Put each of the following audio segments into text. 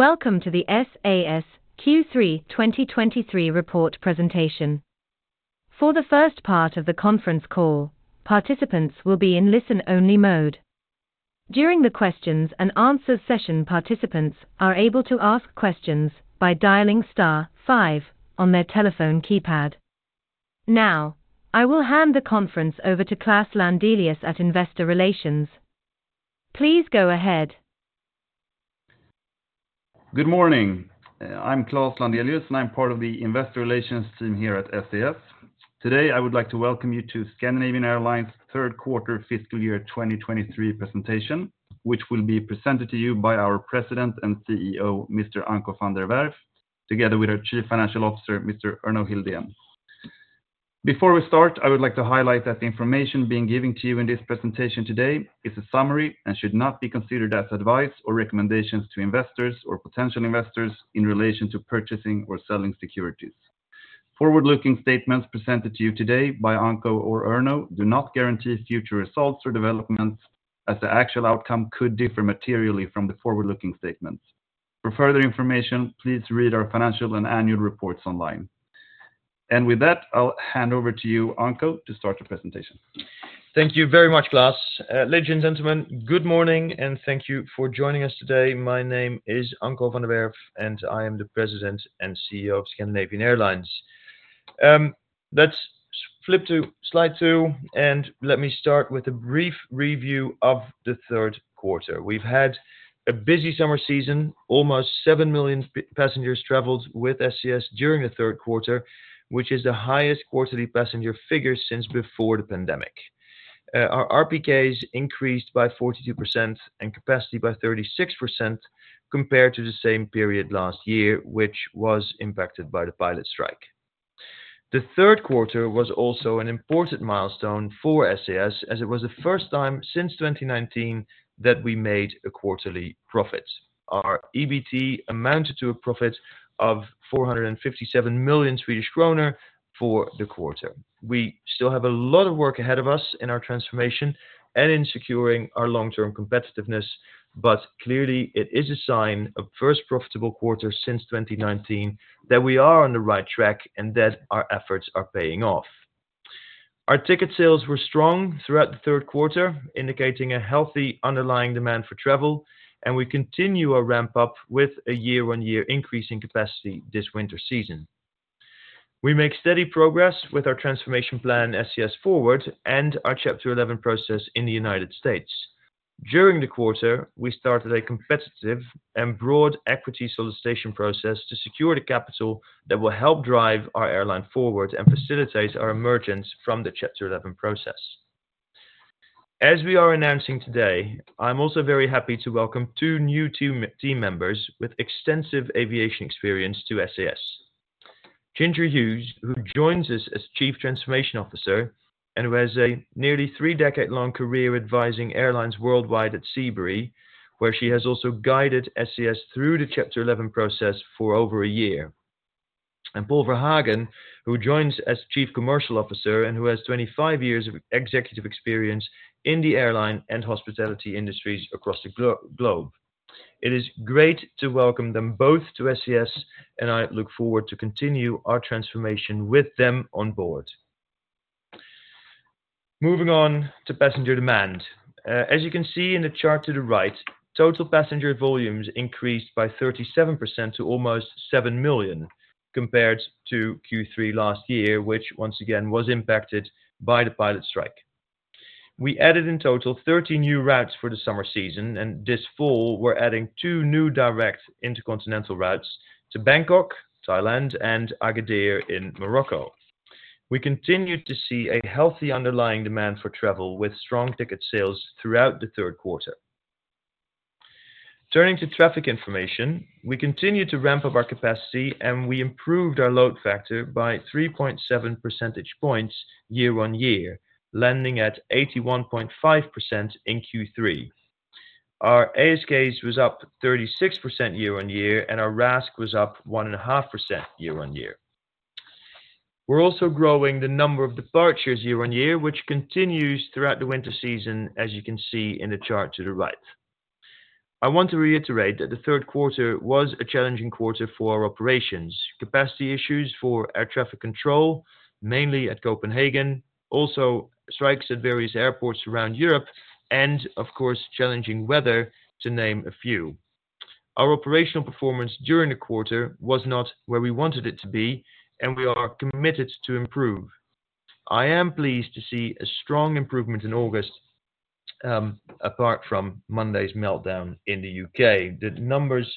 Welcome to the SAS Q3 2023 report presentation. For the first part of the conference call, participants will be in listen-only mode. During the questions and answers session, participants are able to ask questions by dialing star five on their telephone keypad. Now, I will hand the conference over to Klaus Landelius at Investor Relations. Please go ahead. Good morning. I'm Klaus Landelius, and I'm part of the Investor Relations team here at SAS. Today, I would like to welcome you to Scandinavian Airlines' third quarter fiscal year 2023 presentation, which will be presented to you by our President and CEO, Mr. Anko van der Werff, together with our Chief Financial Officer, Mr. Erno Hildén. Before we start, I would like to highlight that the information being given to you in this presentation today is a summary and should not be considered as advice or recommendations to investors or potential investors in relation to purchasing or selling securities. Forward-looking statements presented to you today by Anko or Erno do not guarantee future results or developments, as the actual outcome could differ materially from the forward-looking statements. For further information, please read our financial and annual reports online. With that, I'll hand over to you, Anko, to start the presentation. Thank you very much, Klaus. Ladies and gentlemen, good morning, and thank you for joining us today. My name is Anko van der Werff, and I am the President and CEO of Scandinavian Airlines. Let's flip to slide two, and let me start with a brief review of the third quarter. We've had a busy summer season. Almost 7 million passengers traveled with SAS during the third quarter, which is the highest quarterly passenger figure since before the pandemic. Our RPKs increased by 42% and capacity by 36% compared to the same period last year, which was impacted by the pilot strike. The third quarter was also an important milestone for SAS, as it was the first time since 2019 that we made a quarterly profit. Our EBT amounted to a profit of 457 million Swedish kronor for the quarter. We still have a lot of work ahead of us in our transformation and in securing our long-term competitiveness, but clearly it is a sign of first profitable quarter since 2019 that we are on the right track and that our efforts are paying off. Our ticket sales were strong throughout the third quarter, indicating a healthy underlying demand for travel, and we continue our ramp up with a year-on-year increase in capacity this winter season. We make steady progress with our transformation plan, SAS Forward, and our Chapter 11 process in the United States. During the quarter, we started a competitive and broad equity solicitation process to secure the capital that will help drive our airline forward and facilitate our emergence from the Chapter 11 process. As we are announcing today, I'm also very happy to welcome two new team members with extensive aviation experience to SAS. Ginger Hughes, who joins us as Chief Transformation Officer and who has a nearly three-decade-long career advising airlines worldwide at Seabury, where she has also guided SAS through the Chapter 11 process for over a year. And Paul Verhagen, who joins as Chief Commercial Officer and who has 25 years of executive experience in the airline and hospitality industries across the globe. It is great to welcome them both to SAS, and I look forward to continue our transformation with them on board. Moving on to passenger demand. As you can see in the chart to the right, total passenger volumes increased by 37% to almost 7 million compared to Q3 last year, which once again, was impacted by the pilot strike. We added in total 13 new routes for the summer season, and this fall, we're adding 2 new direct intercontinental routes to Bangkok, Thailand, and Agadir in Morocco. We continued to see a healthy underlying demand for travel, with strong ticket sales throughout the third quarter. Turning to traffic information, we continued to ramp up our capacity, and we improved our load factor by 3.7 percentage points year-over-year, landing at 81.5% in Q3. Our ASK was up 36% year-over-year, and our RASK was up 1.5% year-over-year. We're also growing the number of departures year-over-year, which continues throughout the winter season, as you can see in the chart to the right. I want to reiterate that the third quarter was a challenging quarter for our operations. Capacity issues for air traffic control, mainly at Copenhagen, also strikes at various airports around Europe, and of course, challenging weather, to name a few. Our operational performance during the quarter was not where we wanted it to be, and we are committed to improve. I am pleased to see a strong improvement in August, apart from Monday's meltdown in the UK. The numbers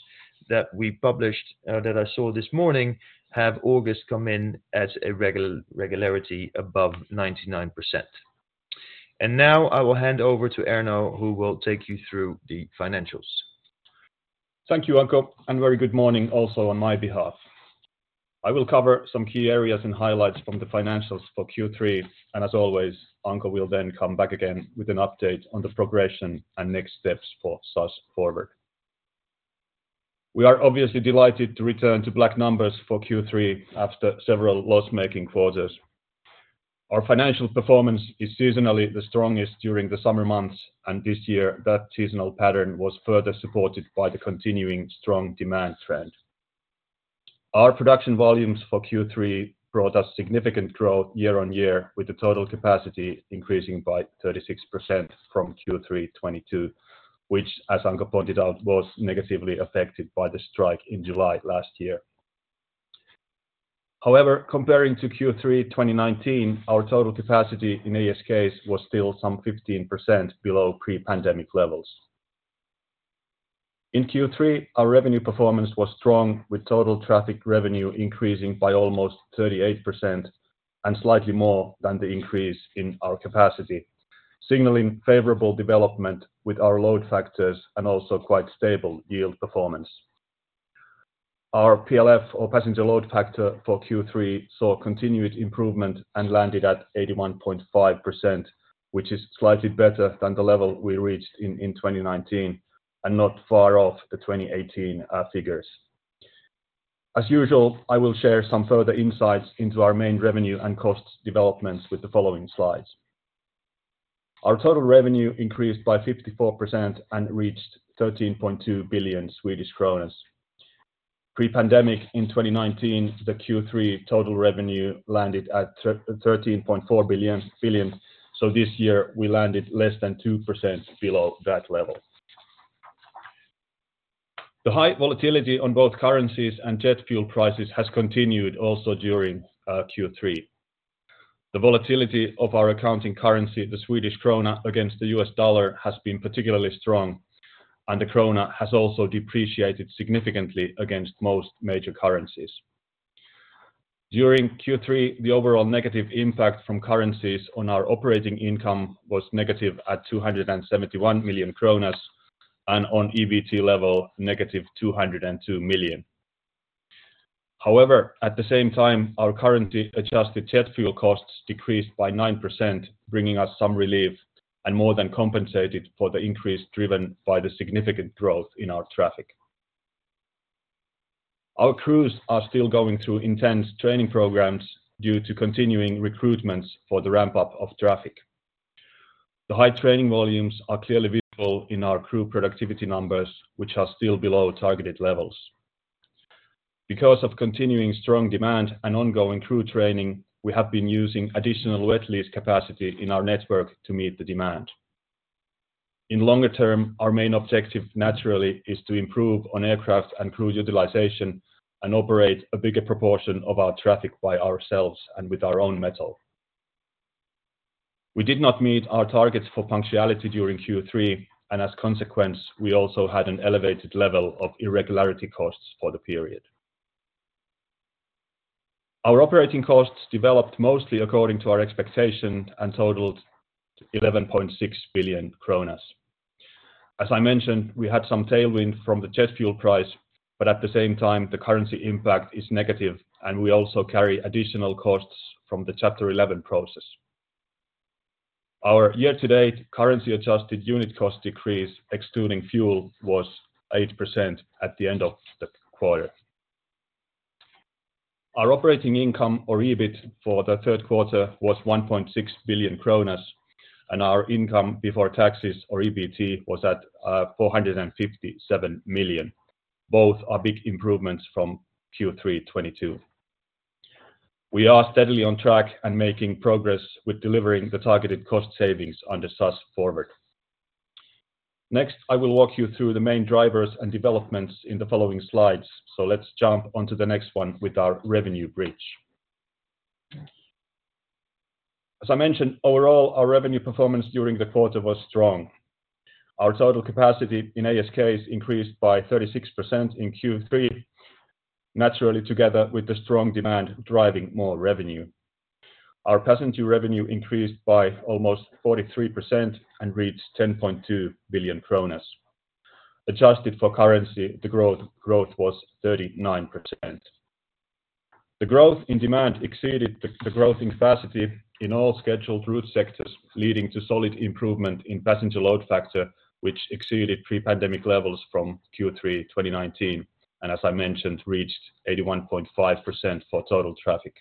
that we published, that I saw this morning, have August come in as a regularity above 99%. Now I will hand over to Erno, who will take you through the financials. Thank you, Anko, and a very good morning also on my behalf. I will cover some key areas and highlights from the financials for Q3, and as always, Anko will then come back again with an update on the progression and next steps for SAS Forward. We are obviously delighted to return to black numbers for Q3 after several loss-making quarters.... Our financial performance is seasonally the strongest during the summer months, and this year, that seasonal pattern was further supported by the continuing strong demand trend. Our production volumes for Q3 brought us significant growth year on year, with the total capacity increasing by 36% from Q3 2022, which, as Anko pointed out, was negatively affected by the strike in July last year. However, comparing to Q3 2019, our total capacity in ASK was still some 15% below pre-pandemic levels. In Q3, our revenue performance was strong, with total traffic revenue increasing by almost 38% and slightly more than the increase in our capacity, signaling favorable development with our load factors and also quite stable yield performance. Our PLF, or passenger load factor, for Q3 saw continued improvement and landed at 81.5%, which is slightly better than the level we reached in 2019 and not far off the 2018 figures. As usual, I will share some further insights into our main revenue and cost developments with the following slides. Our total revenue increased by 54% and reached 13.2 billion Swedish kronor. Pre-pandemic in 2019, the Q3 total revenue landed at thirteen point four billion, so this year we landed less than 2% below that level. The high volatility on both currencies and jet fuel prices has continued also during Q3. The volatility of our accounting currency, the Swedish krona, against the US dollar, has been particularly strong, and the krona has also depreciated significantly against most major currencies. During Q3, the overall negative impact from currencies on our operating income was negative 271 million kronor, and on EBT level, negative 202 million. However, at the same time, our currency-adjusted jet fuel costs decreased by 9%, bringing us some relief and more than compensated for the increase driven by the significant growth in our traffic. Our crews are still going through intense training programs due to continuing recruitments for the ramp-up of traffic. The high training volumes are clearly visible in our crew productivity numbers, which are still below targeted levels. Because of continuing strong demand and ongoing crew training, we have been using additional wet lease capacity in our network to meet the demand. In longer term, our main objective, naturally, is to improve on aircraft and crew utilization and operate a bigger proportion of our traffic by ourselves and with our own metal. We did not meet our targets for punctuality during Q3, and as a consequence, we also had an elevated level of irregularity costs for the period. Our operating costs developed mostly according to our expectation and totaled 11.6 billion kronor. As I mentioned, we had some tailwind from the jet fuel price, but at the same time, the currency impact is negative, and we also carry additional costs from the Chapter 11 process. Our year-to-date currency-adjusted unit cost decrease, excluding fuel, was 8% at the end of the quarter. Our operating income, or EBIT, for the third quarter was 1.6 billion kronor, and our income before taxes, or EBT, was at four hundred and fifty-seven million. Both are big improvements from Q3 2022. We are steadily on track and making progress with delivering the targeted cost savings under SAS Forward. Next, I will walk you through the main drivers and developments in the following slides, so let's jump onto the next one with our revenue bridge. As I mentioned, overall, our revenue performance during the quarter was strong. Our total capacity in ASK is increased by 36% in Q3, naturally, together with the strong demand driving more revenue. Our passenger revenue increased by almost 43% and reached 10.2 billion kronor. Adjusted for currency, the growth, growth was 39%. The growth in demand exceeded the growth in capacity in all scheduled route sectors, leading to solid improvement in passenger load factor, which exceeded pre-pandemic levels from Q3 2019, and as I mentioned, reached 81.5% for total traffic.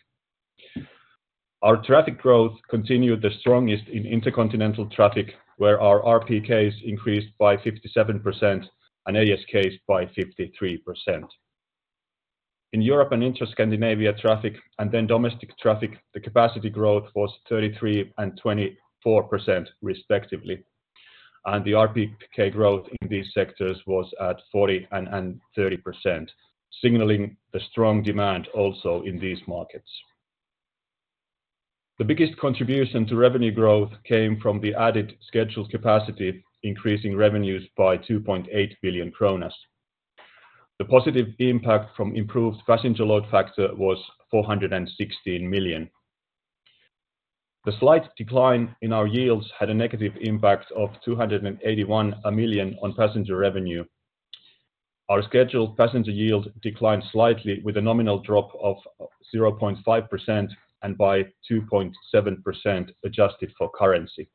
Our traffic growth continued the strongest in intercontinental traffic, where our RPKs increased by 57% and ASK by 53%. In Europe and Inter Scandinavia traffic, and then domestic traffic, the capacity growth was 33% and 24% respectively, and the RPK growth in these sectors was at 40% and 30%, signaling the strong demand also in these markets. The biggest contribution to revenue growth came from the added scheduled capacity, increasing revenues by 2.8 billion kronor. The positive impact from improved passenger load factor was 416 million. The slight decline in our yields had a negative impact of 281 million on passenger revenue. Our scheduled passenger yield declined slightly, with a nominal drop of 0.5% and by 2.7% adjusted for currency.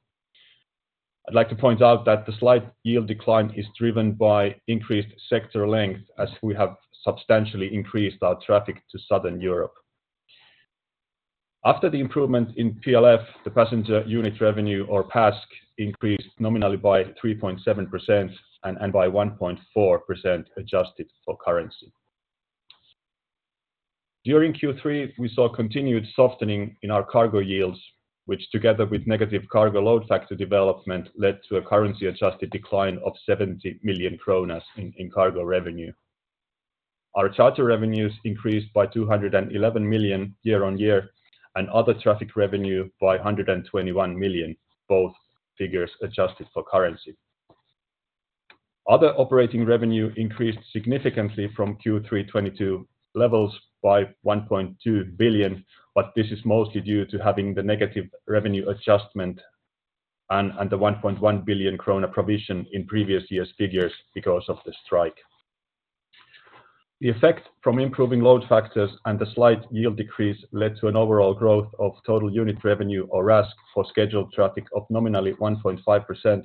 I'd like to point out that the slight yield decline is driven by increased sector length, as we have substantially increased our traffic to Southern Europe. After the improvement in PLF, the passenger unit revenue or PASK Our charter revenues increased by 211 million year-on-year, and other traffic revenue by 121 million, both figures adjusted for currency. Other operating revenue increased significantly from Q3 2022 levels by 1.2 billion, but this is mostly due to having the negative revenue adjustment and the 1.1 billion krona provision in previous years' figures because of the strike. The effect from improving load factors and the slight yield decrease led to an overall growth of total unit revenue or RASK for scheduled traffic of nominally 1.5%,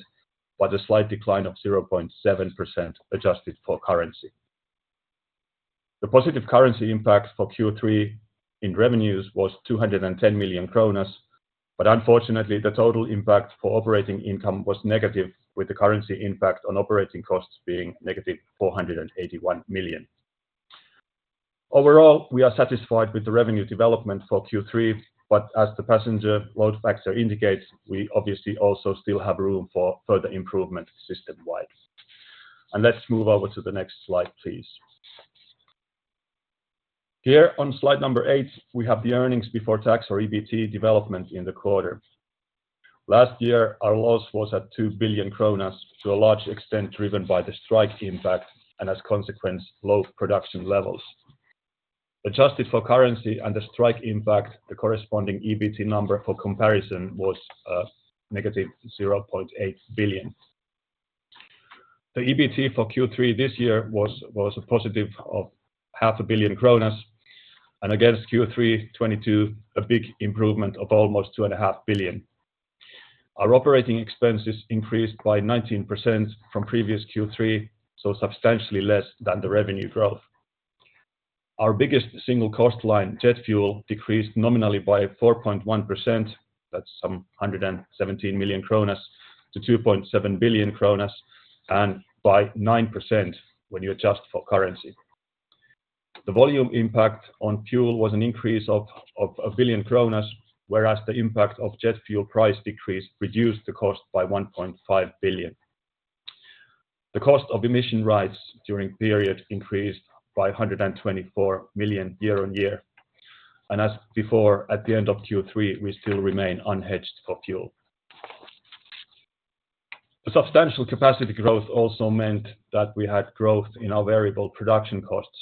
but a slight decline of 0.7% adjusted for currency. The positive currency impact for Q3 in revenues was 210 million kronor, but unfortunately, the total impact for operating income was negative, with the currency impact on operating costs being negative 481 million. Overall, we are satisfied with the revenue development for Q3, but as the passenger load factor indicates, we obviously also still have room for further improvement system-wide. And let's move over to the next slide, please. Here on slide number 8, we have the earnings before tax or EBT development in the quarter. Last year, our loss was at 2 billion kronor, to a large extent driven by the strike impact and as a consequence, low production levels. Adjusted for currency and the strike impact, the corresponding EBT number for comparison was negative 0.8 billion. The EBT for Q3 this year was a positive of 0.5 billion kronor, and against Q3 2022, a big improvement of almost 2.5 billion. Our operating expenses increased by 19% from previous Q3, so substantially less than the revenue growth. Our biggest single cost line, jet fuel, decreased nominally by 4.1%. That's some 117 million kronor to 2.7 billion kronor, and by 9% when you adjust for currency. The volume impact on fuel was an increase of 1 billion kronor, whereas the impact of jet fuel price decrease reduced the cost by 1.5 billion. The cost of emission rights during period increased by 124 million year-on-year, and as before, at the end of Q3, we still remain unhedged for fuel. The substantial capacity growth also meant that we had growth in our variable production costs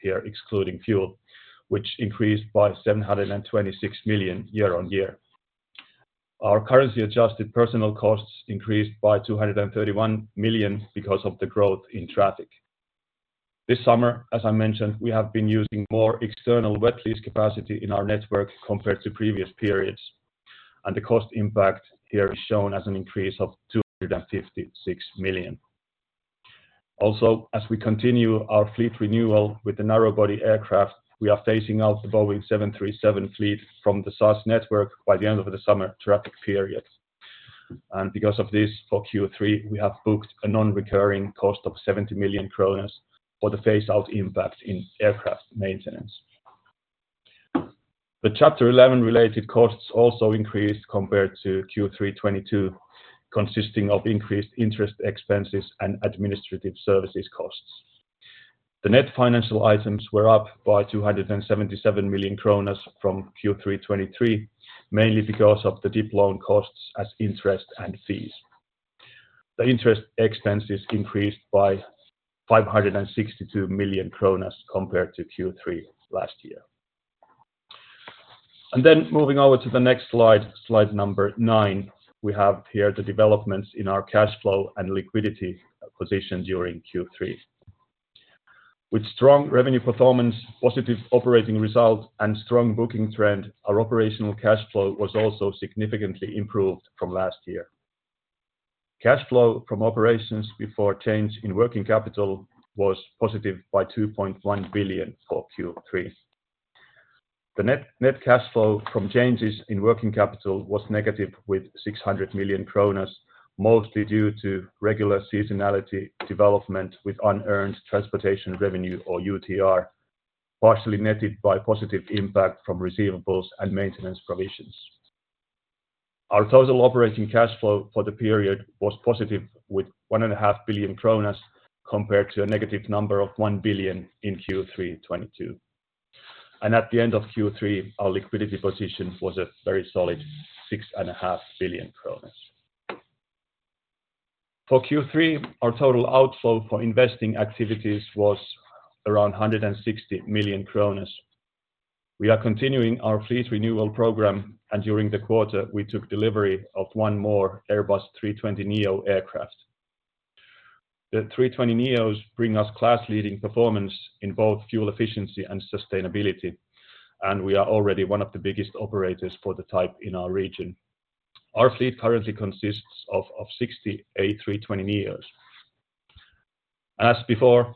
here, excluding fuel, which increased by 726 million year-over-year. Our currency-adjusted personal costs increased by 231 million because of the growth in traffic. This summer, as I mentioned, we have been using more external wet lease capacity in our network compared to previous periods, and the cost impact here is shown as an increase of 256 million. Also, as we continue our fleet renewal with the narrow-body aircraft, we are phasing out the Boeing 737 fleet from the SAS network by the end of the summer traffic period. Because of this, for Q3, we have booked a non-recurring cost of 70 million kronor for the phase-out impact in aircraft maintenance. The Chapter 11 related costs also increased compared to Q3 2022, consisting of increased interest expenses and administrative services costs. The net financial items were up by 277 million kronor from Q3 2023, mainly because of the DIP loan costs as interest and fees. The interest expenses increased by 562 million kronor compared to Q3 last year. Then moving over to the next slide, slide number nine, we have here the developments in our cash flow and liquidity position during Q3. With strong revenue performance, positive operating results, and strong booking trend, our operational cash flow was also significantly improved from last year. Cash flow from operations before change in working capital was positive by 2.1 billion for Q3. The net, net cash flow from changes in working capital was negative, with 600 million kronor, mostly due to regular seasonality development with unearned transportation revenue or UTR, partially netted by positive impact from receivables and maintenance provisions. Our total operating cash flow for the period was positive, with 1.5 billion kronor compared to a negative number of 1 billion in Q3 2022. At the end of Q3, our liquidity position was a very solid 6.5 billion kronor. For Q3, our total outflow for investing activities was around 160 million kronor. We are continuing our fleet renewal program, and during the quarter, we took delivery of one more Airbus A320neo aircraft. The 320 NEOs bring us class-leading performance in both fuel efficiency and sustainability, and we are already one of the biggest operators for the type in our region. Our fleet currently consists of 68 320 NEOs. As before,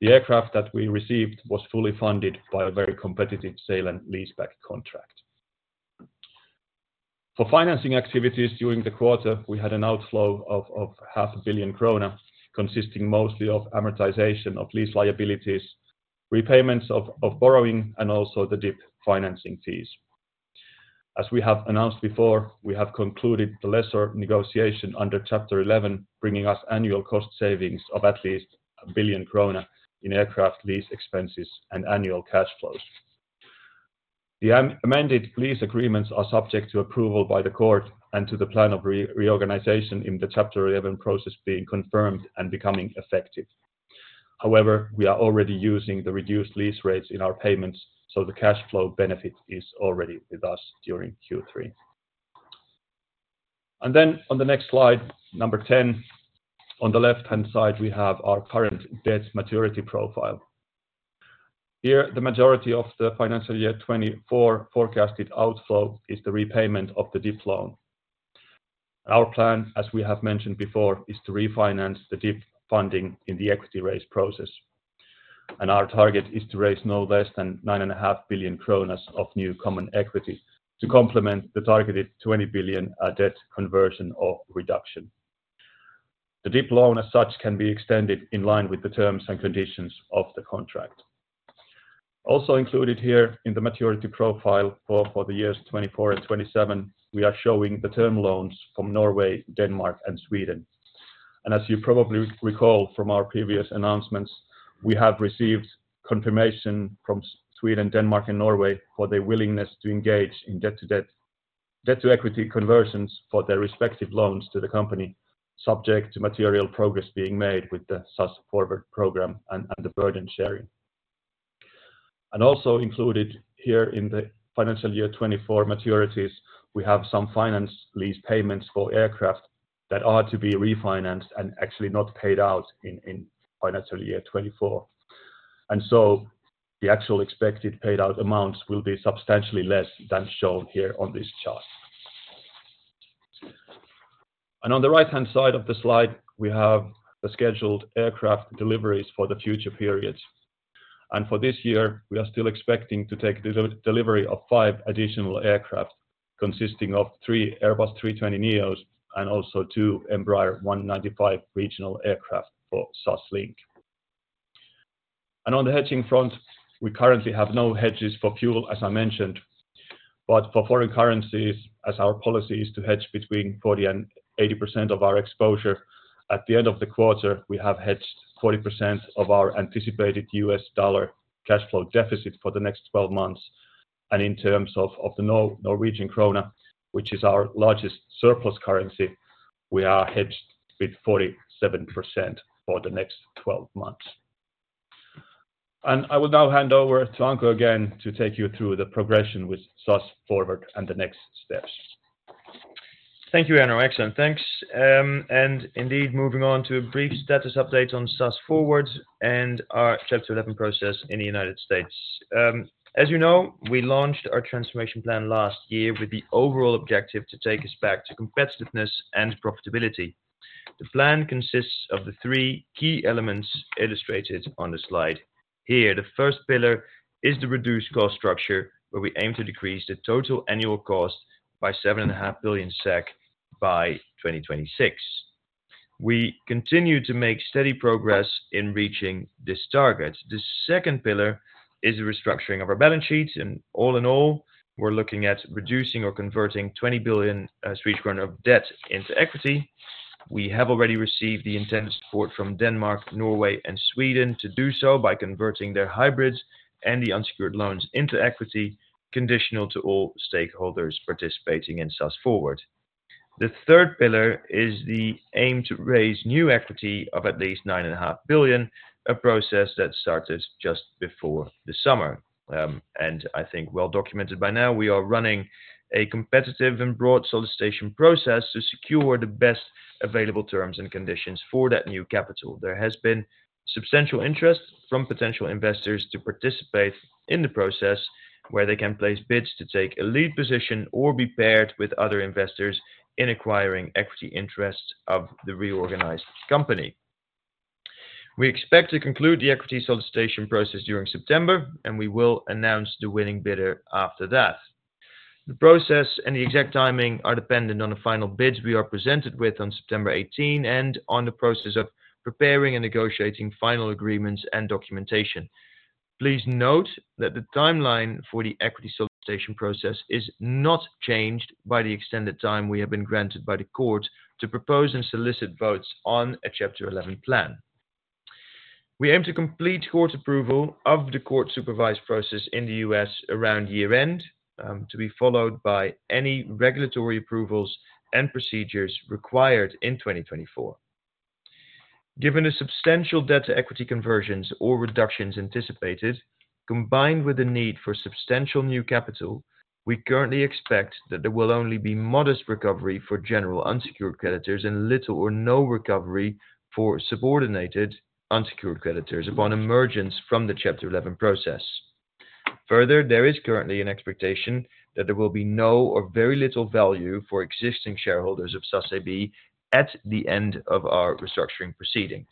the aircraft that we received was fully funded by a very competitive sale and leaseback contract. For financing activities during the quarter, we had an outflow of half a billion krona, consisting mostly of amortization of lease liabilities, repayments of borrowing, and also the DIP financing fees. As we have announced before, we have concluded the lessor negotiation under Chapter 11, bringing us annual cost savings of at least a billion krona in aircraft lease expenses and annual cash flows. The amended lease agreements are subject to approval by the court and to the plan of reorganization in the Chapter 11 process being confirmed and becoming effective. However, we are already using the reduced lease rates in our payments, so the cash flow benefit is already with us during Q3. And then on the next slide, number 10, on the left-hand side, we have our current debt maturity profile. Here, the majority of the financial year 2024 forecasted outflow is the repayment of the DIP loan. Our plan, as we have mentioned before, is to refinance the DIP funding in the equity raise process, and our target is to raise no less than 9.5 billion kronor of new common equity to complement the targeted 20 billion debt conversion or reduction. The DIP loan, as such, can be extended in line with the terms and conditions of the contract. Also included here in the maturity profile for the years 2024 and 2027, we are showing the term loans from Norway, Denmark, and Sweden. As you probably recall from our previous announcements, we have received confirmation from Sweden, Denmark, and Norway for their willingness to engage in debt-to-equity conversions for their respective loans to the company, subject to material progress being made with the SAS Forward program and the burden sharing. Also included here in the financial year 2024 maturities, we have some finance lease payments for aircraft that are to be refinanced and actually not paid out in financial year 2024. So the actual expected paid-out amounts will be substantially less than shown here on this chart. On the right-hand side of the slide, we have the scheduled aircraft deliveries for the future periods. For this year, we are still expecting to take delivery of five additional aircraft, consisting of three Airbus A320neo and also two Embraer E195 regional aircraft for SAS Link. On the hedging front, we currently have no hedges for fuel, as I mentioned, but for foreign currencies, as our policy is to hedge between 40%-80% of our exposure, at the end of the quarter, we have hedged 40% of our anticipated US dollar cash flow deficit for the next 12 months, and in terms of the Norwegian krone, which is our largest surplus currency, we are hedged with 47% for the next 12 months. I will now hand over to Anko again to take you through the progression with SAS Forward and the next steps. Thank you, Erno. Excellent. Thanks, and indeed, moving on to a brief status update on SAS Forward and our Chapter 11 process in the United States. As you know, we launched our transformation plan last year with the overall objective to take us back to competitiveness and profitability. The plan consists of the three key elements illustrated on the slide. Here, the first pillar is the reduced cost structure, where we aim to decrease the total annual cost by 7.5 billion SEK by 2026. We continue to make steady progress in reaching this target. The second pillar is the restructuring of our balance sheet, and all in all, we're looking at reducing or converting 20 billion Swedish krona of debt into equity. We have already received the intended support from Denmark, Norway, and Sweden to do so by converting their hybrids and the unsecured loans into equity, conditional to all stakeholders participating in SAS Forward. The third pillar is the aim to raise new equity of at least 9.5 billion, a process that started just before the summer. And I think well documented by now, we are running a competitive and broad solicitation process to secure the best available terms and conditions for that new capital. There has been substantial interest from potential investors to participate in the process, where they can place bids to take a lead position or be paired with other investors in acquiring equity interests of the reorganized company. We expect to conclude the equity solicitation process during September, and we will announce the winning bidder after that. The process and the exact timing are dependent on the final bids we are presented with on September 18 and on the process of preparing and negotiating final agreements and documentation. Please note that the timeline for the equity solicitation process is not changed by the extended time we have been granted by the court to propose and solicit votes on a Chapter 11 plan. We aim to complete court approval of the court-supervised process in the U.S. around year-end, to be followed by any regulatory approvals and procedures required in 2024. Given the substantial debt-to-equity conversions or reductions anticipated, combined with the need for substantial new capital, we currently expect that there will only be modest recovery for general unsecured creditors and little or no recovery for subordinated unsecured creditors upon emergence from the Chapter 11 process. Further, there is currently an expectation that there will be no or very little value for existing shareholders of SAS AB at the end of our restructuring proceedings.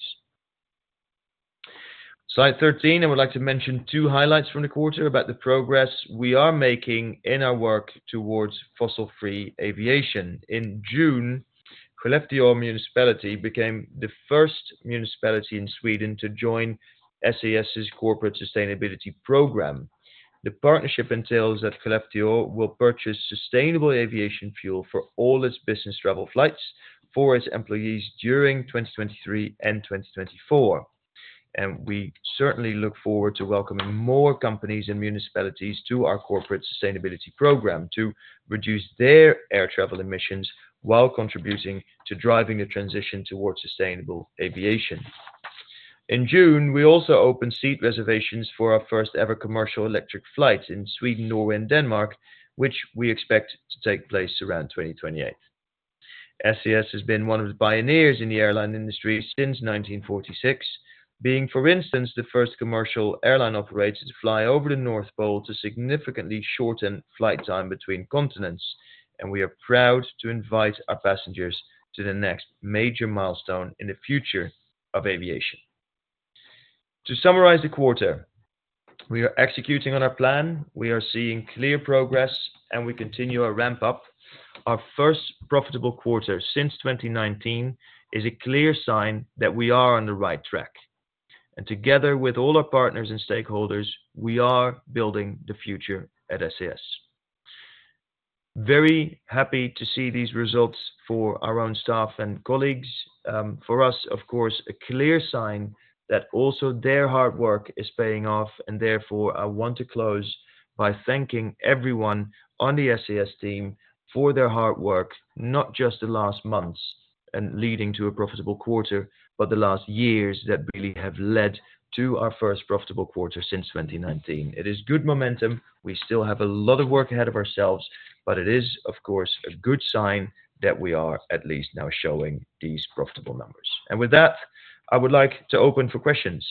Slide 13, I would like to mention two highlights from the quarter about the progress we are making in our work towards fossil-free aviation. In June, Skellefteå Municipality became the first municipality in Sweden to join SAS's corporate sustainability program. The partnership entails that Skellefteå will purchase sustainable aviation fuel for all its business travel flights for its employees during 2023 and 2024. We certainly look forward to welcoming more companies and municipalities to our corporate sustainability program to reduce their air travel emissions while contributing to driving the transition towards sustainable aviation. In June, we also opened seat reservations for our first-ever commercial electric flight in Sweden, Norway, and Denmark, which we expect to take place around 2028. SAS has been one of the pioneers in the airline industry since 1946, being, for instance, the first commercial airline operator to fly over the North Pole to significantly shorten flight time between continents, and we are proud to invite our passengers to the next major milestone in the future of aviation. To summarize the quarter, we are executing on our plan. We are seeing clear progress, and we continue our ramp up. Our first profitable quarter since 2019 is a clear sign that we are on the right track, and together with all our partners and stakeholders, we are building the future at SAS. Very happy to see these results for our own staff and colleagues. For us, of course, a clear sign that also their hard work is paying off, and therefore, I want to close by thanking everyone on the SAS team for their hard work, not just the last months and leading to a profitable quarter, but the last years that really have led to our first profitable quarter since 2019. It is good momentum. We still have a lot of work ahead of ourselves, but it is, of course, a good sign that we are at least now showing these profitable numbers. With that, I would like to open for questions.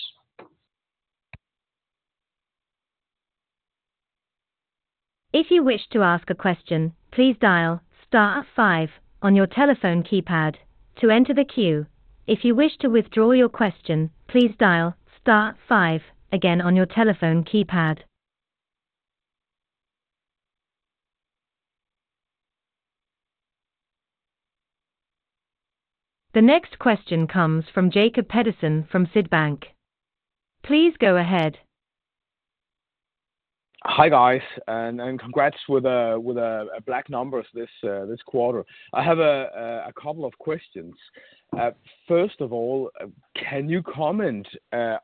If you wish to ask a question, please dial star five on your telephone keypad to enter the queue. If you wish to withdraw your question, please dial star five again on your telephone keypad. The next question comes from Jacob Pedersen from Sydbank. Please go ahead. Hi, guys, and congrats with black numbers this quarter. I have a couple of questions. First of all, can you comment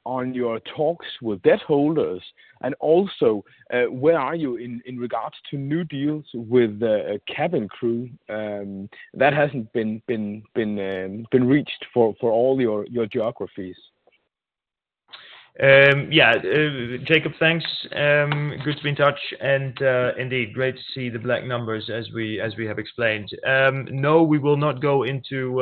on your talks with debt holders, and also, where are you in regards to new deals with the cabin crew? That hasn't been reached for all your geographies. Yeah, Jacob, thanks. Good to be in touch, and indeed, great to see the black numbers as we have explained. No, we will not go into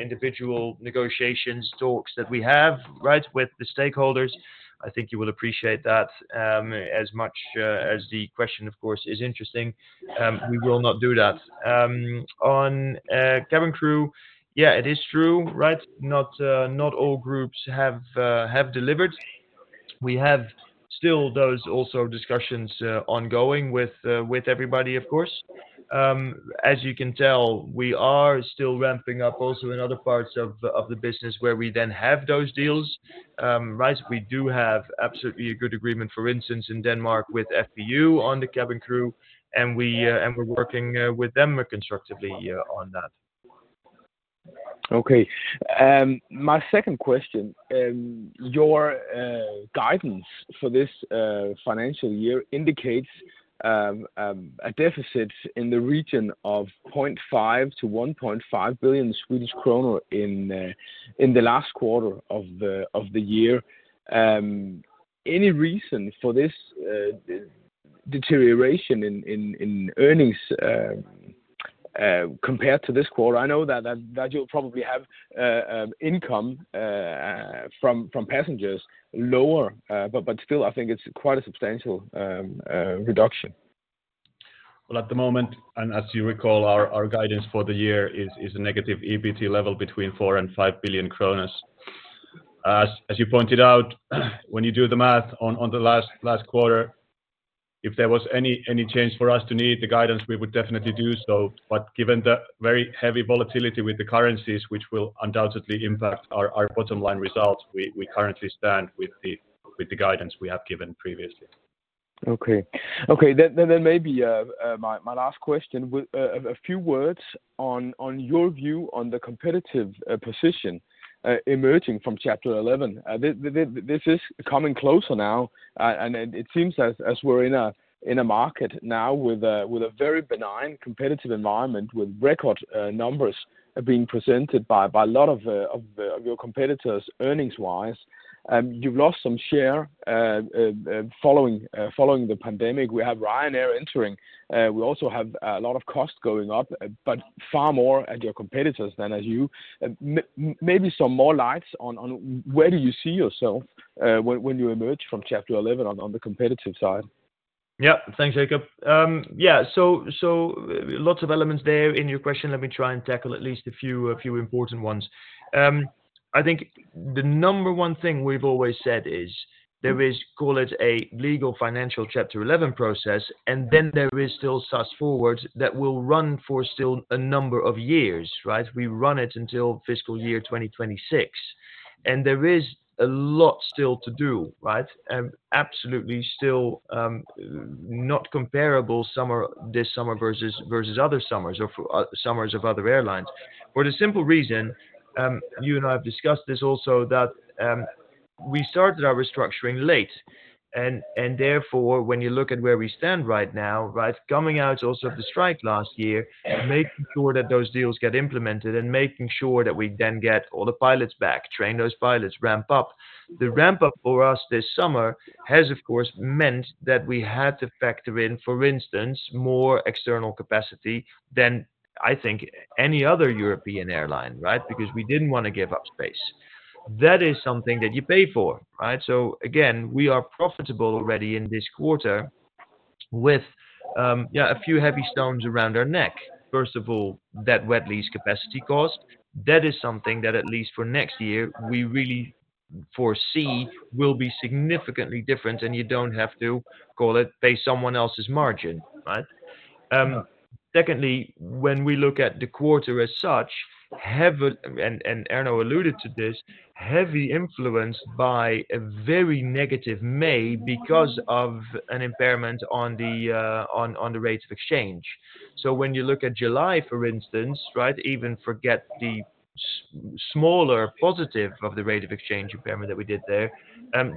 individual negotiations, talks that we have, right, with the stakeholders. I think you will appreciate that, as much as the question, of course, is interesting. We will not do that. On cabin crew, yeah, it is true, right? Not all groups have delivered. We have still those also discussions ongoing with everybody, of course. As you can tell, we are still ramping up also in other parts of the business where we then have those deals. Right, we do have absolutely a good agreement, for instance, in Denmark, with FPU on the cabin crew, and we're working with them constructively on that. Okay, my second question. Your guidance for this financial year indicates a deficit in the region of 0.5 billion-1 billion Swedish kronor in the last quarter of the year. Any reason for this deterioration in earnings compared to this quarter? I know that you'll probably have income from passengers lower, but still, I think it's quite a substantial reduction. Well, at the moment, and as you recall, our guidance for the year is a negative EBT level between 4 billion-5 billion kronor. As you pointed out, when you do the math on the last quarter, if there was any change for us to need the guidance, we would definitely do so. But given the very heavy volatility with the currencies, which will undoubtedly impact our bottom line results, we currently stand with the guidance we have given previously.... Okay. Okay, then maybe my last question, a few words on your view on the competitive position emerging from Chapter 11. This is coming closer now, and it seems as we're in a market now with a very benign competitive environment, with record numbers being presented by a lot of your competitors, earnings wise. You've lost some share following the pandemic. We have Ryanair entering, we also have a lot of costs going up, but far more at your competitors than at you. Maybe some more lights on where do you see yourself when you emerge from Chapter 11 on the competitive side? Yeah. Thanks, Jacob. Yeah, so lots of elements there in your question. Let me try and tackle at least a few, a few important ones. I think the number one thing we've always said is there is, call it, a legal financial Chapter 11 process, and then there is still SAS Forward that will run for still a number of years, right? We run it until fiscal year 2026, and there is a lot still to do, right? Absolutely still not comparable summer- this summer versus, versus other summers or summers of other airlines. For the simple reason, you and I have discussed this also, that we started our restructuring late and, and therefore, when you look at where we stand right now, right? Coming out also of the strike last year, making sure that those deals get implemented, and making sure that we then get all the pilots back, train those pilots, ramp up. The ramp up for us this summer has, of course, meant that we had to factor in, for instance, more external capacity than I think any other European airline, right? Because we didn't want to give up space. That is something that you pay for, right? So again, we are profitable already in this quarter with a few heavy stones around our neck. First of all, that wet lease capacity cost, that is something that, at least for next year, we really foresee will be significantly different, and you don't have to, call it, pay someone else's margin, right? Secondly, when we look at the quarter as such, heavy... and Erno alluded to this, heavily influenced by a very negative May because of an impairment on the rates of exchange. So when you look at July, for instance, right, even forget the smaller positive of the rate of exchange impairment that we did there.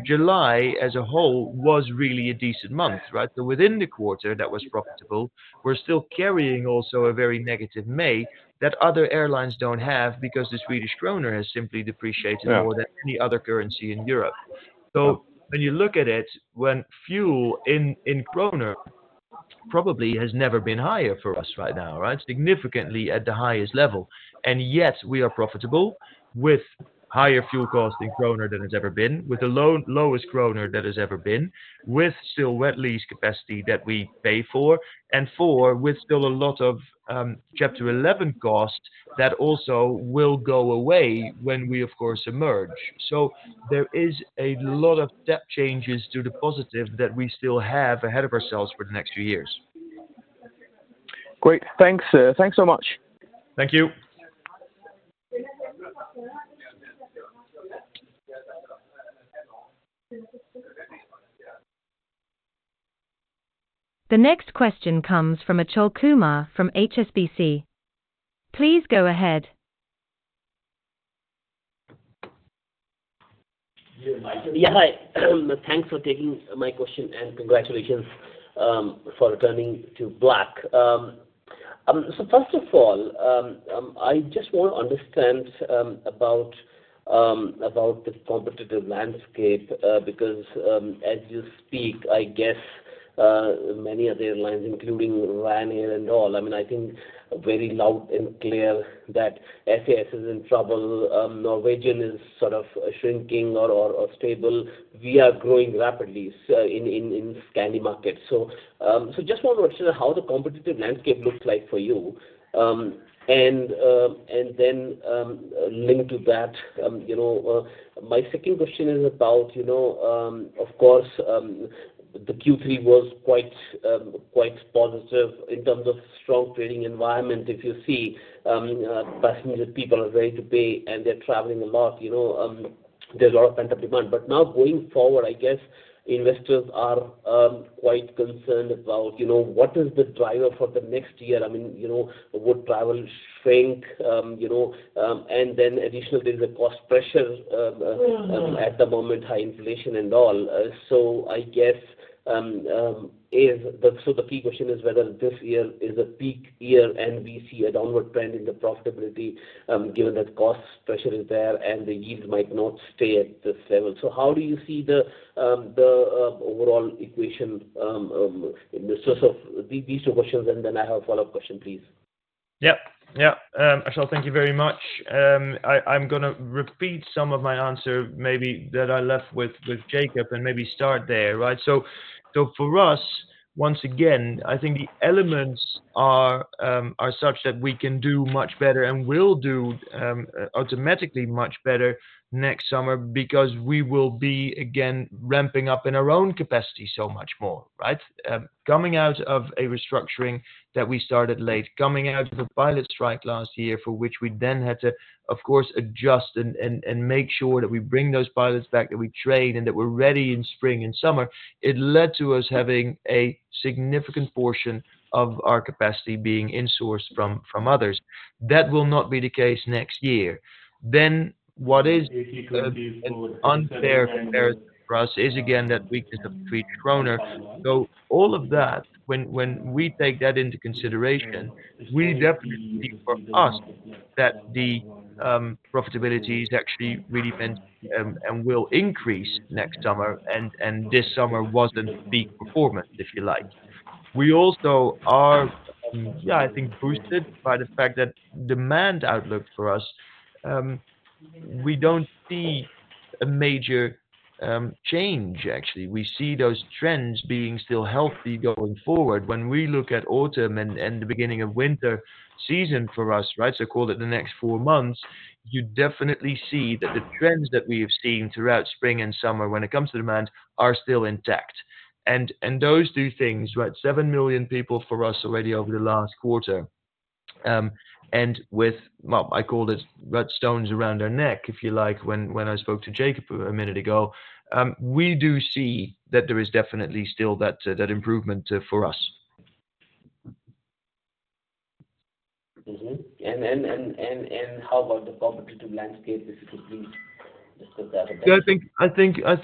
July, as a whole, was really a decent month, right? So within the quarter, that was profitable, we're still carrying also a very negative May that other airlines don't have because the Swedish krona has simply depreciated- Yeah... more than any other currency in Europe. So when you look at it, fuel in krona probably has never been higher for us right now, right? Significantly at the highest level, and yet we are profitable with higher fuel cost in krona than it's ever been, with the lowest krona that has ever been, with still wet lease capacity that we pay for, and fourth, with still a lot of Chapter Eleven costs that also will go away when we, of course, emerge. So there is a lot of step changes to the positive that we still have ahead of ourselves for the next few years. Great. Thanks, thanks so much. Thank you. The next question comes from Achal Kumar from HSBC. Please go ahead. Yeah, hi. Thanks for taking my question, and congratulations for returning to black. So first of all, I just want to understand about the competitive landscape, because as you speak, I guess, many of the airlines, including Ryanair and all, I mean, I think very loud and clear that SAS is in trouble. Norwegian is sort of shrinking or stable. We are growing rapidly so in Scandy market. So just want to understand how the competitive landscape looks like for you. And then, you know, my second question is about, you know, of course, the Q3 was quite positive in terms of strong trading environment. If you see, passenger people are ready to pay, and they're traveling a lot, you know, there's a lot of pent-up demand. But now, going forward, I guess investors are quite concerned about, you know, what is the driver for the next year? I mean, you know, and then additionally, the cost pressure, Mm-hmm... at the moment, high inflation and all. So I guess if so the key question is whether this year is a peak year, and we see a downward trend in the profitability, given that cost pressure is there and the yield might not stay at this level. So how do you see the overall equation in the source of... These two questions, and then I have a follow-up question, please. Yeah, yeah. Achal, thank you very much. I’m gonna repeat some of my answer maybe that I left with Jacob, and maybe start there, right? So, for us, once again, I think the elements are such that we can do much better and will do automatically much better next summer because we will be, again, ramping up in our own capacity so much more, right? Coming out of a restructuring that we started late, coming out of a pilot strike last year, for which we then had to, of course, adjust and make sure that we bring those pilots back, that we train, and that we’re ready in spring and summer. It led to us having a significant portion of our capacity being insourced from others.... that will not be the case next year. Then what is an unfair comparison for us is, again, that weakness of the Swedish krona. So all of that, when we take that into consideration, we definitely see for us that the profitability is actually really been and will increase next summer, and this summer was the big performance, if you like. We also are, yeah, I think boosted by the fact that demand outlook for us, we don't see a major change, actually. We see those trends being still healthy going forward. When we look at autumn and the beginning of winter season for us, right? So call it the next four months, you definitely see that the trends that we have seen throughout spring and summer when it comes to demand are still intact. And those two things, right, 7 million people for us already over the last quarter. And with, well, I call it red stones around our neck, if you like, when I spoke to Jacob a minute ago. We do see that there is definitely still that that improvement for us. Mm-hmm. And how about the competitive landscape, if you could please discuss that a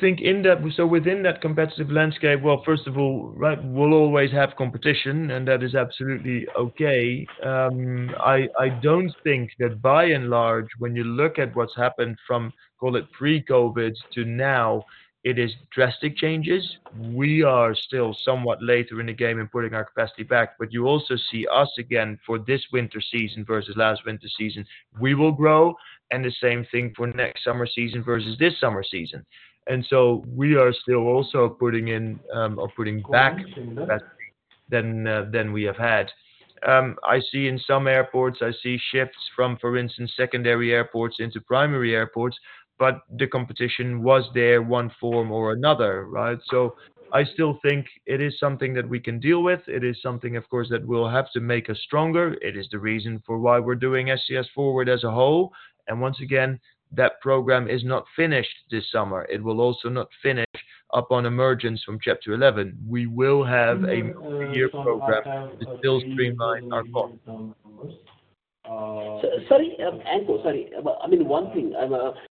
bit? So within that competitive landscape, well, first of all, right, we'll always have competition, and that is absolutely okay. I don't think that by and large, when you look at what's happened from, call it pre-COVID to now, it is drastic changes. We are still somewhat later in the game in putting our capacity back, but you also see us again for this winter season versus last winter season, we will grow, and the same thing for next summer season versus this summer season. And so we are still also putting in or putting back capacity than than we have had. I see in some airports shifts from, for instance, secondary airports into primary airports, but the competition was there in one form or another, right? I still think it is something that we can deal with. It is something, of course, that will have to make us stronger. It is the reason for why we're doing SAS Forward as a whole. Once again, that program is not finished this summer. It will also not finish up on emergence from Chapter 11. We will have a three-year program to still streamline our cost. Sorry, Anko, sorry. I mean, one thing,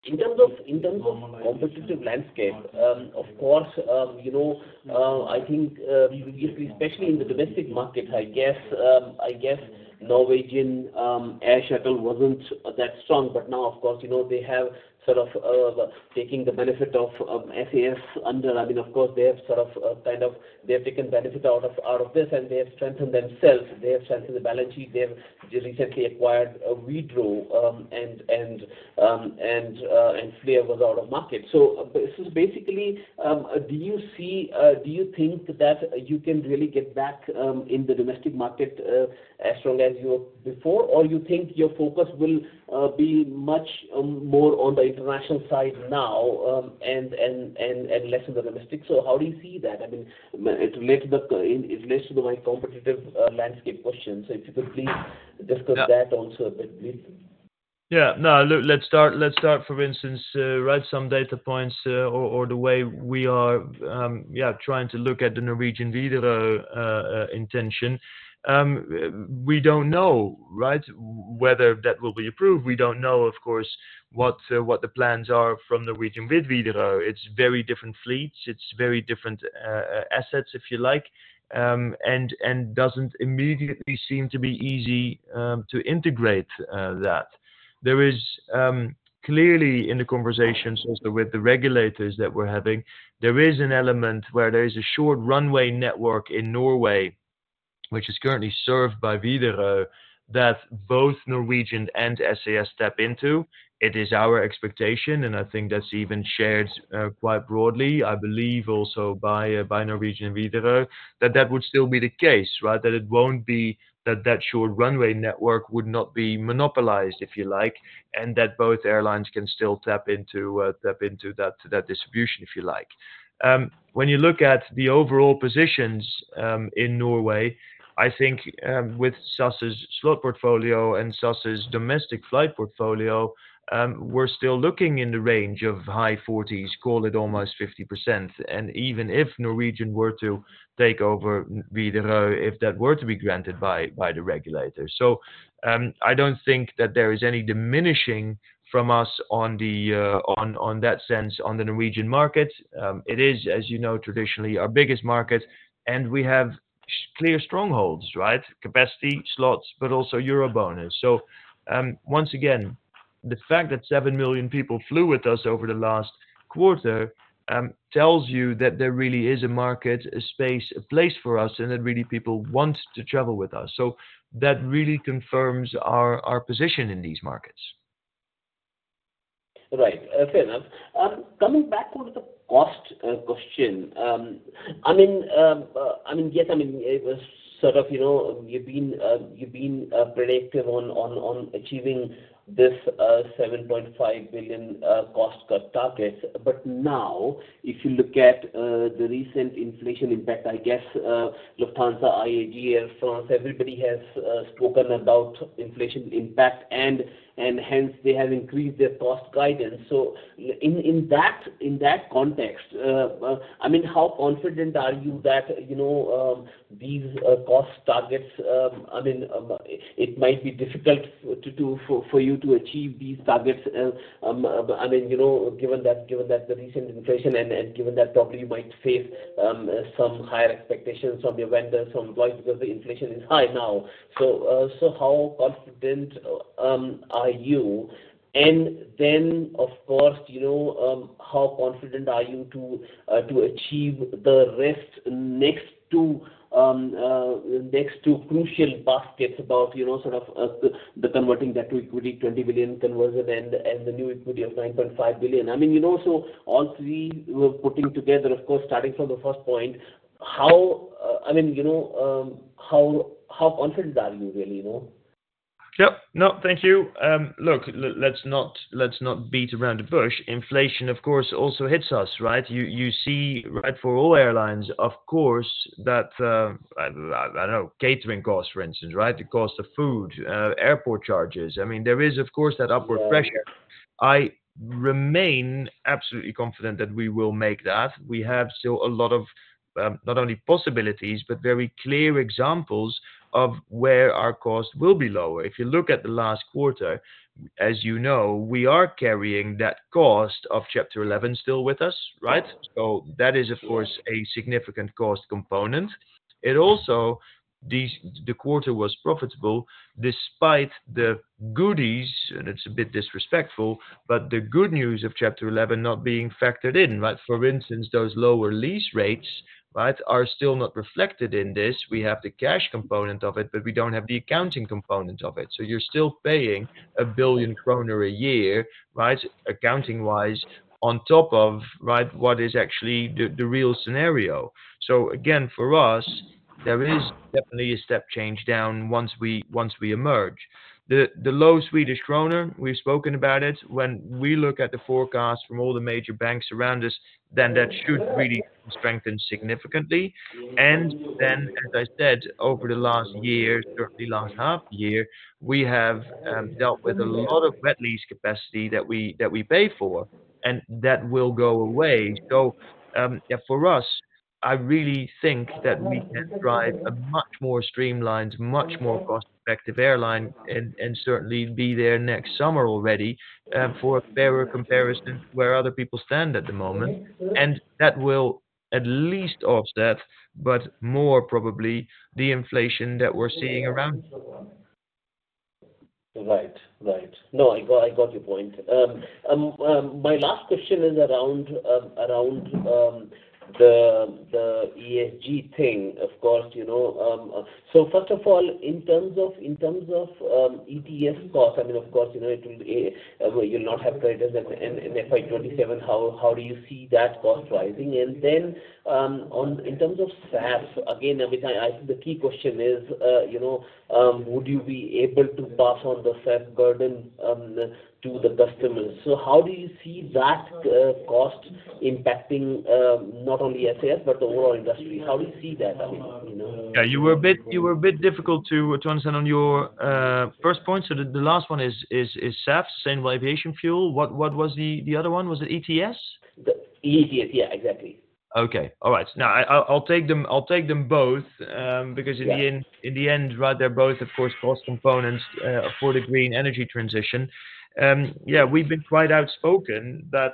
in terms of, in terms of competitive landscape, of course, you know, I think, especially in the domestic market, I guess, I guess Norwegian Air Shuttle wasn't that strong. But now, of course, you know, they have sort of taking the benefit of, SAS under... I mean, of course, they have sort of, kind of, they have taken benefit out of, out of this, and they have strengthened themselves. They have strengthened the balance sheet. They have just recently acquired, Widerøe, and Flyr was out of market. So, so basically, do you see, do you think that you can really get back, in the domestic market, as strong as you were before? Or you think your focus will be much more on the international side now, and less on the domestic? So how do you see that? I mean, it relates to my competitive landscape question. So if you could please discuss that also a bit, please. Yeah. No, let's start, for instance, write some data points, or the way we are trying to look at the Norwegian Widerøe intention. We don't know, right, whether that will be approved. We don't know, of course, what the plans are from Norwegian with Widerøe. It's very different fleets, it's very different assets, if you like, and doesn't immediately seem to be easy to integrate that. There is clearly in the conversations also with the regulators that we're having, there is an element where there is a short runway network in Norway, which is currently served by Widerøe, that both Norwegian and SAS step into. It is our expectation, and I think that's even shared quite broadly, I believe also by Norwegian Widerøe, that that would still be the case, right? That it won't be, that that short runway network would not be monopolized, if you like, and that both airlines can still tap into that distribution, if you like. When you look at the overall positions in Norway, I think with SAS's slot portfolio and SAS's domestic flight portfolio, we're still looking in the range of high 40s, call it almost 50%, and even if Norwegian were to take over Widerøe, if that were to be granted by the regulators. So, I don't think that there is any diminishing from us on that sense, on the Norwegian market. It is, as you know, traditionally our biggest market, and we have clear strongholds, right? Capacity, slots, but also EuroBonus. So, once again, the fact that 7 million people flew with us over the last quarter tells you that there really is a market, a space, a place for us, and that really people want to travel with us. So that really confirms our, our position in these markets. Right. Fair enough. Coming back on to the cost question, I mean, yes, I mean, it was sort of, you know, you've been predictive on achieving this 7.5 billion cost cut target. But now, if you look at the recent inflation impact, I guess, Lufthansa, IAG, Air France, everybody has spoken about inflation impact and hence they have increased their cost guidance. So in that context, I mean, how confident are you that, you know, these cost targets, I mean, it might be difficult to do for you to achieve these targets. I mean, you know, given that, given that the recent inflation and, and given that probably you might face, some higher expectations from your vendors, from employees, because the inflation is high now. So, so how confident, are you? And then, of course, you know, how confident are you to, to achieve the rest next to, next to crucial baskets about, you know, sort of, the converting that to equity, 20 billion conversion and, and the new equity of 9.5 billion? I mean, you know, so all three we're putting together, of course, starting from the first point, how... I mean, you know, how, how confident are you really, though? Yep. No, thank you. Look, let's not beat around the bush. Inflation, of course, also hits us, right? You see, right, for all airlines, of course, that I don't know, catering costs, for instance, right? The cost of food, airport charges. I mean, there is, of course, that upward pressure. I remain absolutely confident that we will make that. We have still a lot of, not only possibilities, but very clear examples of where our cost will be lower. If you look at the last quarter, as you know, we are carrying that cost of Chapter 11 still with us, right? Sure. So that is, of course, a significant cost component. It also, these... The quarter was profitable despite the goodies, and it's a bit disrespectful, but the good news of Chapter 11 not being factored in, right? For instance, those lower lease rates, right, are still not reflected in this. We have the cash component of it, but we don't have the accounting component of it. So you're still paying 1 billion kronor a year, right, accounting-wise, on top of, right, what is actually the real scenario. So again, for us, there is definitely a step change down once we emerge. The low Swedish krona, we've spoken about it. When we look at the forecast from all the major banks around us, then that should really strengthen significantly. And then, as I said, over the last year, certainly last half year, we have dealt with a lot of wet lease capacity that we, that we pay for, and that will go away. So, yeah, for us, I really think that we can drive a much more streamlined, much more cost-effective airline and, and certainly be there next summer already, for a fairer comparison where other people stand at the moment. And that will at least offset, but more probably the inflation that we're seeing around. Right. Right. No, I got, I got your point. My last question is around, around, the ESG thing, of course, you know, so first of all, in terms of, in terms of, ETS cost, I mean, of course, you know, it will, you'll not have credits in, in FY 2027. How, how do you see that cost rising? And then, on... In terms of SAF, again, I mean, I, I, the key question is, you know, would you be able to pass on the SAF burden, to the customers? So how do you see that, cost impacting, not only SAS, but the overall industry? How do you see that, I mean, you know? Yeah, you were a bit difficult to understand on your first point. So the last one is SAF, sustainable aviation fuel. What was the other one? Was it ETS? The ETS. Yeah, exactly. Okay. All right. Now, I'll take them, I'll take them both. Yeah... because in the end, in the end, right, they're both, of course, cost components for the green energy transition. Yeah, we've been quite outspoken that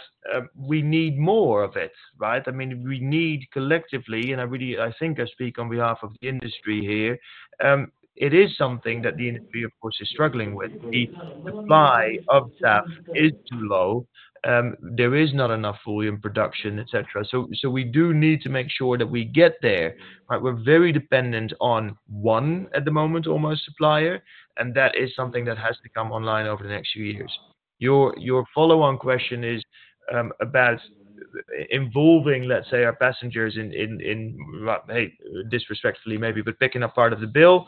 we need more of it, right? I mean, we need collectively, and I really, I think I speak on behalf of the industry here, it is something that the industry, of course, is struggling with. The supply of SAF is too low. There is not enough volume production, et cetera. So, so we do need to make sure that we get there, right? We're very dependent on one, at the moment, almost supplier, and that is something that has to come online over the next few years. Your follow-on question is about involving, let's say, our passengers in right, hey, disrespectfully maybe, but picking up part of the bill.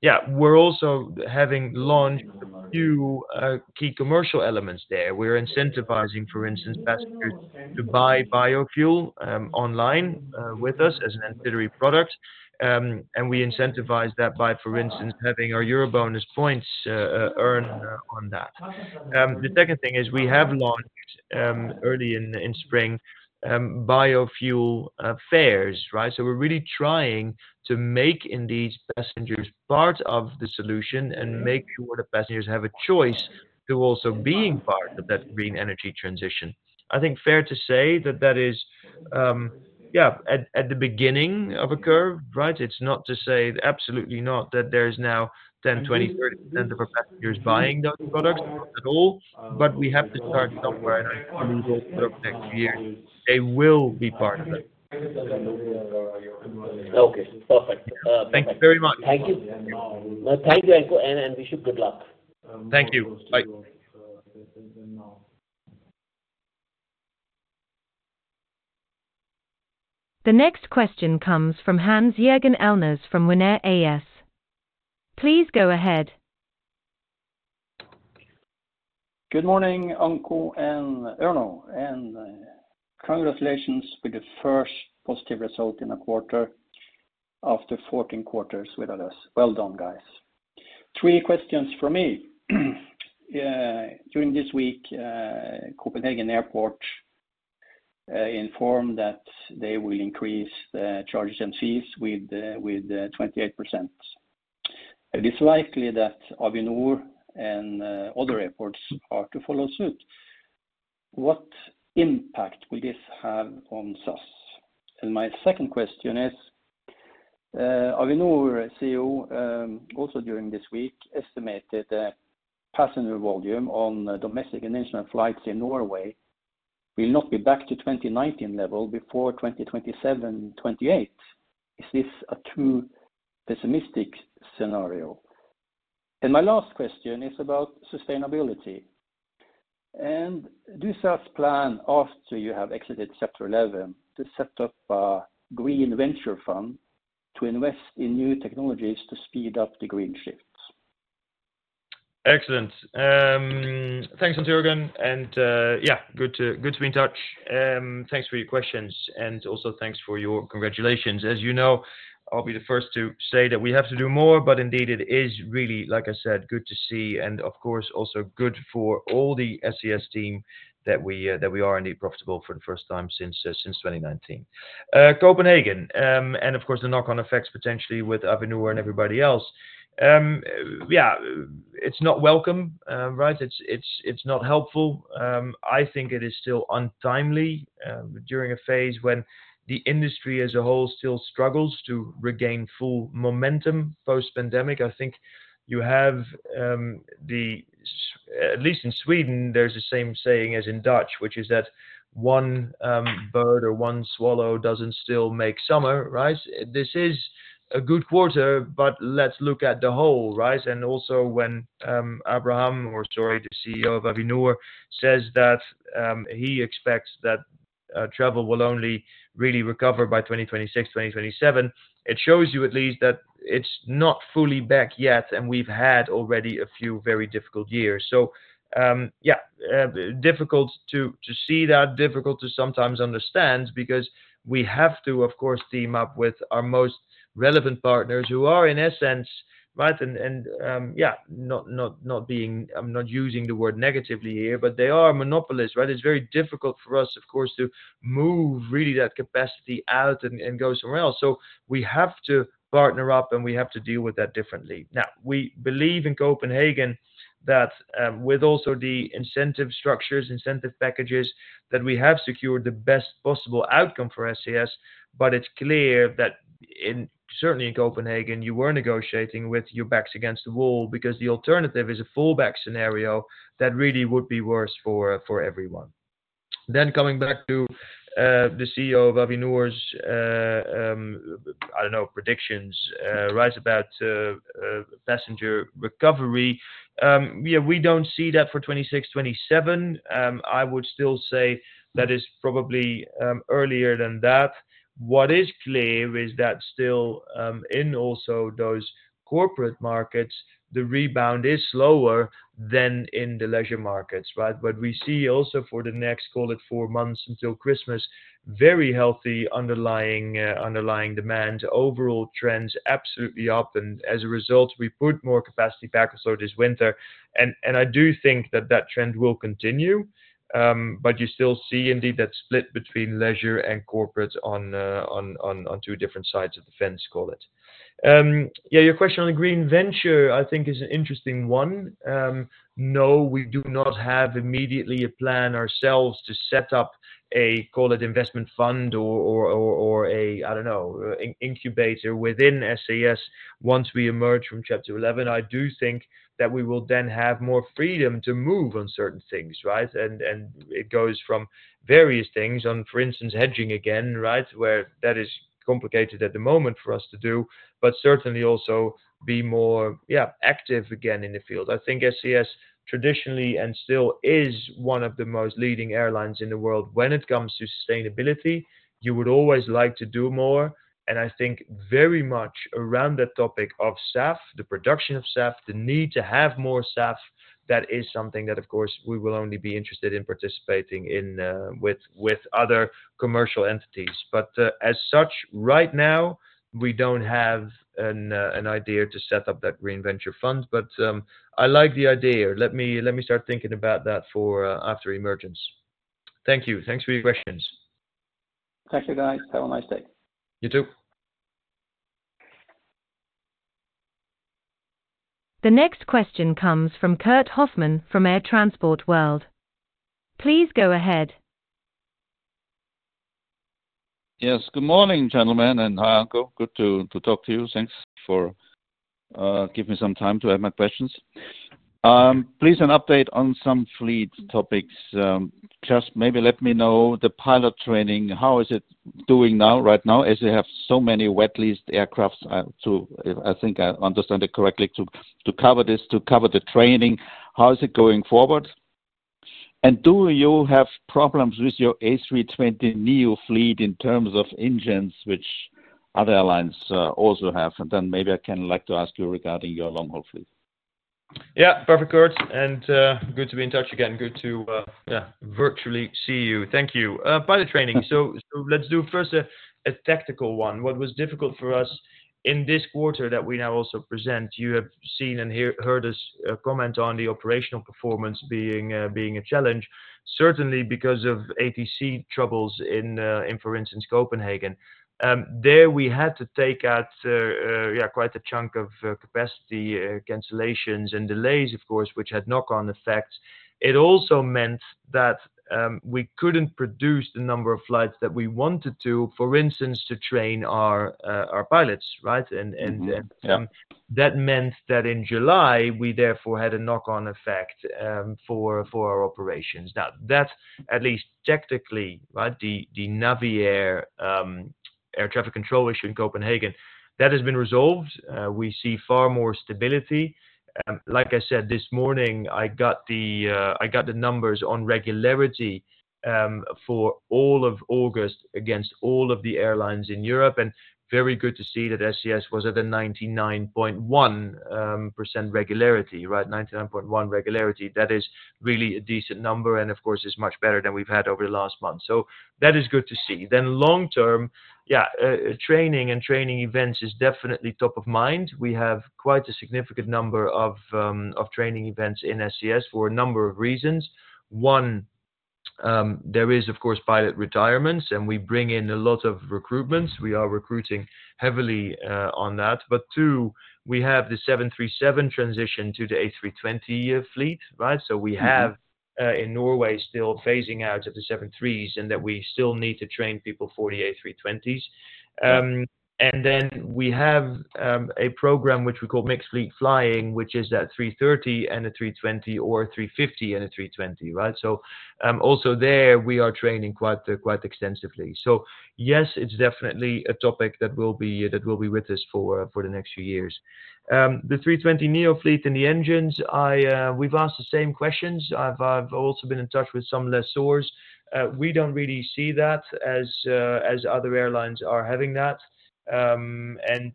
Yeah, we're also having launched a few key commercial elements there. We're incentivizing, for instance, passengers to buy biofuel online with us as an ancillary product. And we incentivize that by, for instance, having our EuroBonus points earned on that. The second thing is we have launched early in spring biofuel fares, right? So we're really trying to make indeed passengers part of the solution and make sure the passengers have a choice to also being part of that green energy transition. I think fair to say that that is, yeah, at the beginning of a curve, right? It's not to say, absolutely not, that there is now 10%, 20%, 30% of our passengers buying those products at all, but we have to start somewhere, and I think over the next few years, they will be part of it. Okay, perfect. Thank you very much. Thank you. Thank you, Anko, and wish you good luck. Thank you. Bye. The next question comes from Hans-Jørgen Elnæs from WinAir AS. Please go ahead. Good morning, Anko and Erno, and congratulations with the first positive result in a quarter after 14 quarters without us. Well done, guys. Three questions for me. During this week, Copenhagen Airport informed that they will increase the charges and fees with 28%. It is likely that Avinor and other airports are to follow suit. What impact will this have on SAS? And my second question is, Avinor CEO also during this week estimated that passenger volume on domestic and international flights in Norway will not be back to 2019 level before 2027, 2028. Is this a true pessimistic scenario? And my last question is about sustainability. And do SAS plan after you have exited Chapter 11, to set up a green venture fund to invest in new technologies to speed up the green shifts? Excellent. Thanks, Hans Jørgen, and, yeah, good to be in touch. Thanks for your questions, and also thanks for your congratulations. As you know, I'll be the first to say that we have to do more, but indeed, it is really, like I said, good to see, and of course, also good for all the SAS team that we are indeed profitable for the first time since 2019. Copenhagen, and of course, the knock-on effects potentially with Avinor and everybody else. Yeah, it's not welcome, right? It's not helpful. I think it is still untimely, during a phase when the industry as a whole still struggles to regain full momentum post-pandemic. I think you have the same—at least in Sweden, there's the same saying as in Dutch, which is that one bird or one swallow doesn't still make summer, right? This is a good quarter, but let's look at the whole, right? And also when Abraham, or sorry, the CEO of Avinor, says that he expects that travel will only really recover by 2026, 2027, it shows you at least that it's not fully back yet, and we've had already a few very difficult years. So, yeah, difficult to see that, difficult to sometimes understand because we have to, of course, team up with our most relevant partners who are in essence, right, and, and, yeah, not being... I'm not using the word negatively here, but they are monopolists, right? It's very difficult for us, of course, to move really that capacity out and go somewhere else. So we have to partner up, and we have to deal with that differently. Now, we believe in Copenhagen that with also the incentive structures, incentive packages, that we have secured the best possible outcome for SAS. But it's clear that in certainly in Copenhagen, you were negotiating with your backs against the wall because the alternative is a fallback scenario that really would be worse for everyone. Then coming back to the CEO of Avinor's, I don't know, predictions right about passenger recovery. Yeah, we don't see that for 2026, 2027. I would still say that is probably earlier than that. What is clear is that still, in also those corporate markets, the rebound is slower than in the leisure markets, right? But we see also for the next, call it four months until Christmas, very healthy underlying, underlying demand. Overall trends absolutely up, and as a result, we put more capacity back also this winter, and I do think that that trend will continue. But you still see indeed that split between leisure and corporate on two different sides of the fence, call it. Yeah, your question on the green venture, I think is an interesting one. No, we do not have immediately a plan ourselves to set up a, call it investment fund or a, I don't know, incubator within SAS once we emerge from Chapter 11. I do think that we will then have more freedom to move on certain things, right? And it goes from various things on, for instance, hedging again, right? Where that is complicated at the moment for us to do, but certainly also be more, yeah, active again in the field. I think SAS traditionally and still is one of the most leading airlines in the world when it comes to sustainability. You would always like to do more, and I think very much around the topic of SAF, the production of SAF, the need to have more SAF, that is something that of course, we will only be interested in participating in, with other commercial entities. But, as such, right now, we don't have an idea to set up that green venture fund. But, I like the idea. Let me, let me start thinking about that for after emergence. Thank you. Thanks for your questions. Thank you, guys. Have a nice day. You too. The next question comes from Kurt Hofmann from Air Transport World. Please go ahead. Yes, good morning, gentlemen, and hi, Anko. Good to talk to you. Thanks for giving me some time to have my questions. Please, an update on some fleet topics. Just maybe let me know the pilot training, how is it doing now, right now, as you have so many wet-leased aircraft to... I think I understand it correctly, to cover this, to cover the training, how is it going forward? And do you have problems with your A320neo fleet in terms of engines, which other airlines also have? And then maybe I can like to ask you regarding your long haul fleet.... Yeah, perfect, Kurt, and good to be in touch again. Good to, yeah, virtually see you. Thank you. Pilot training, so let's do first a tactical one. What was difficult for us in this quarter that we now also present? You have seen and heard us comment on the operational performance being a challenge, certainly because of ATC troubles in, for instance, Copenhagen. There, we had to take out, yeah, quite a chunk of capacity, cancellations and delays, of course, which had knock-on effects. It also meant that we couldn't produce the number of flights that we wanted to, for instance, to train our pilots, right? Mm-hmm. Yeah. That meant that in July, we therefore had a knock-on effect for our operations. Now, that's at least tactically, right? The Naviair air traffic control issue in Copenhagen has been resolved. We see far more stability. Like I said, this morning, I got the numbers on regularity for all of August against all of the airlines in Europe, and very good to see that SAS was at a 99.1% regularity, right? 99.1 regularity, that is really a decent number, and of course, it's much better than we've had over the last month, so that is good to see. Then long term, yeah, training and training events is definitely top of mind. We have quite a significant number of training events in SAS for a number of reasons. One, there is, of course, pilot retirements, and we bring in a lot of recruitments. We are recruiting heavily on that, but two, we have the 737 transition to the A320 fleet, right? Mm-hmm. So we have, in Norway, still phasing out of the 737s, and that we still need to train people for the A320s. Yeah. And then we have a program which we call Mixed Fleet Flying, which is that 330 and a 320 or 350 and a 320, right? So, also there, we are training quite, quite extensively. So yes, it's definitely a topic that will be, that will be with us for the next few years. The 320neo fleet and the engines, we've asked the same questions. I've also been in touch with some lessors. We don't really see that as other airlines are having that. And,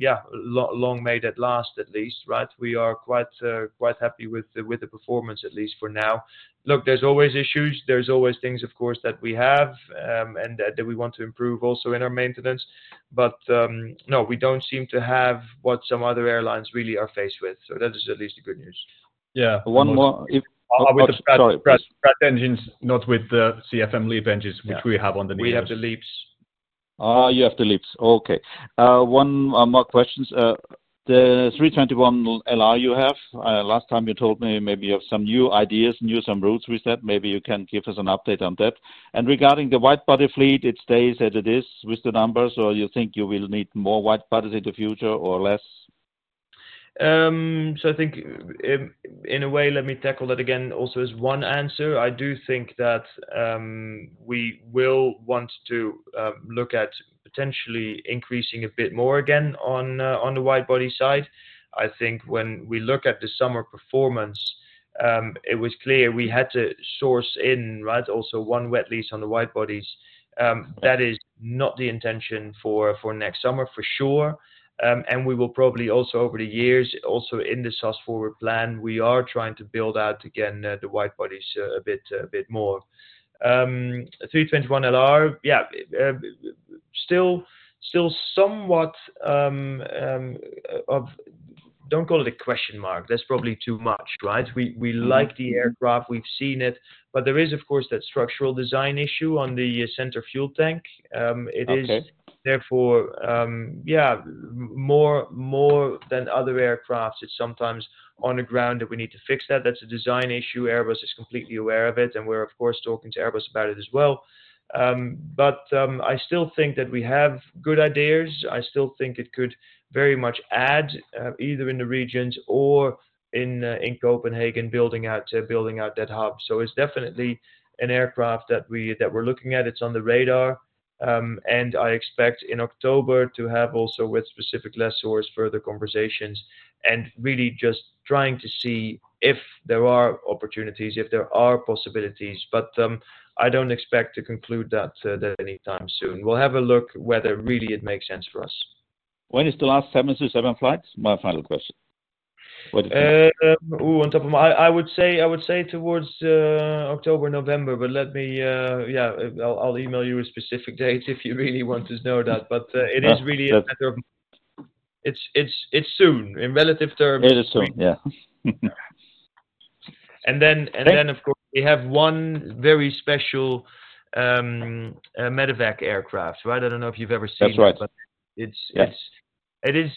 yeah, long, long made at last, at least, right? We are quite, quite happy with the, with the performance, at least for now. Look, there's always issues. There's always things, of course, that we have, and that, that we want to improve also in our maintenance. But, no, we don't seem to have what some other airlines really are faced with, so that is at least the good news. Yeah, one more- With the Pratt- Sorry. Pratt, Pratt engines, not with the CFM LEAP engines- Yeah which we have on the news. We have the LEAPs. Ah, you have the LEAPS. Okay, one more questions. The 321LR you have, last time you told me maybe you have some new ideas, new some routes with that. Maybe you can give us an update on that. And regarding the wide-body fleet, it stays as it is with the numbers, or you think you will need more wide-bodies in the future or less? So I think in a way, let me tackle that again also as one answer. I do think that we will want to look at potentially increasing a bit more again on the wide-body side. I think when we look at the summer performance, it was clear we had to source in, right? Also, one wet lease on the wide-bodies. That is not the intention for next summer, for sure, and we will probably also over the years, also in the SAS Forward plan, we are trying to build out again the wide-bodies a bit more. 321LR, yeah, still somewhat of... Don't call it a question mark. That's probably too much, right? Mm-hmm. We, we like the aircraft, we've seen it, but there is, of course, that structural design issue on the center fuel tank. Okay ... therefore, more than other aircraft, it's sometimes on the ground that we need to fix that. That's a design issue. Airbus is completely aware of it, and we're, of course, talking to Airbus about it as well. But, I still think that we have good ideas. I still think it could very much add, either in the regions or in Copenhagen, building out, building out that hub. So it's definitely an aircraft that we, that we're looking at. It's on the radar, and I expect in October to have also with specific lessors, further conversations, and really just trying to see if there are opportunities, if there are possibilities, but, I don't expect to conclude that, anytime soon. We'll have a look whether really it makes sense for us. When is the last 737 flight? My final question. Oh, on top of my—I would say towards October, November, but let me, yeah, I'll email you a specific date if you really want to know that, but. Yeah... it is really a matter of, it's soon, in relative terms. It is soon, yeah. And then- Thank-... and then, of course, we have one very special, medevac aircraft, right? I don't know if you've ever seen it. That's right. But it's- Yes... it's, it is,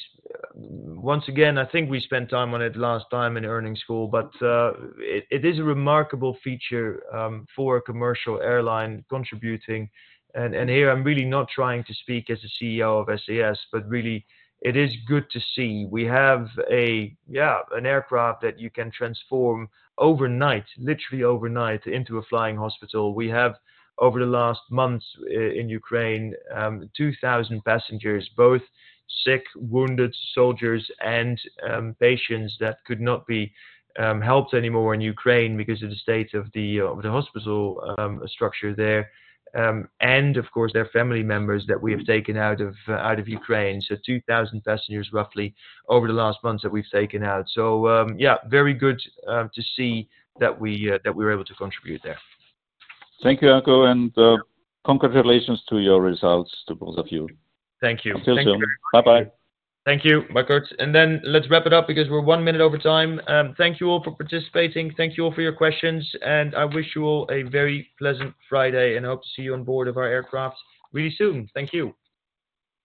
once again, I think we spent time on it last time in earnings call, but it is a remarkable feature for a commercial airline contributing. And here I'm really not trying to speak as a CEO of SAS, but really it is good to see. We have, yeah, an aircraft that you can transform overnight, literally overnight into a flying hospital. We have, over the last months in Ukraine, 2,000 passengers, both sick, wounded soldiers and patients that could not be helped anymore in Ukraine because of the state of the hospital structure there. And of course, their family members that we have taken out of Ukraine. So 2,000 passengers, roughly, over the last months that we've taken out. Yeah, very good to see that we're able to contribute there. Thank you, Anko, and congratulations to your results, to both of you. Thank you. Until soon. Bye-bye. Thank you. Bye, Kurt. And then let's wrap it up because we're one minute over time. Thank you all for participating. Thank you all for your questions, and I wish you all a very pleasant Friday, and I hope to see you on board of our aircraft really soon. Thank you.